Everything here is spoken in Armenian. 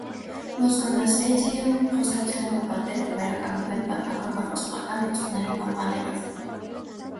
Մոսգորնասլեդիեում խոստացել են, որ պատերը կվերականգնվեն «պատմական կառուցողական լուծումները պահպանելով»։